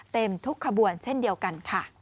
เต็มทุกขบวนเช่นเดียวกันค่ะ